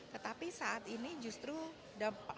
tetapi saat ini justru hal tersebut